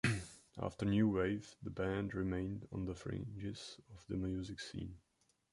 After "New Wave", the band remained on the fringes of the music scene.